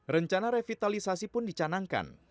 rencana revitalisasi pun dicanangkan